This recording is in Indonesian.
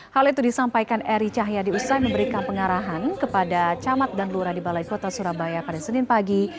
hal itu disampaikan eri cahyadi usai memberikan pengarahan kepada camat dan lurah di balai kota surabaya pada senin pagi